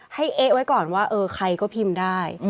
ให้เอะไว้ก่อนว่าใครก็พิมพ์ได้